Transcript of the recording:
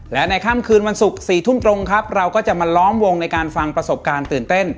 และในค่ำคืนวันศุกร์๔ทุ่มตรงครับเราก็จะมาล้อมวงในการฟังประสบการณ์ตื่นเต้น